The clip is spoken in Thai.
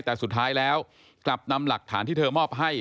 แต่สุดท้ายแล้วกลับนำหลักฐานที่เธอมอบให้